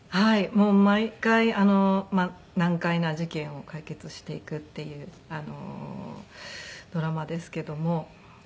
もう毎回難解な事件を解決していくっていうドラマですけども。